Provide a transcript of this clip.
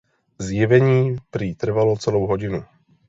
Zjevení prý trvalo celou hodinu.